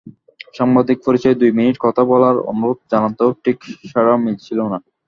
সাংবাদিক পরিচয়ে দুই মিনিট কথা বলার অনুরোধ জানাতেও ঠিক সাড়া মিলছিল না।